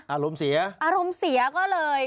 อารมณ์เสียอารมณ์เสียก็เลย